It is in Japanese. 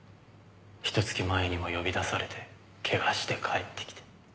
ひと月前にも呼び出されてケガして帰ってきて。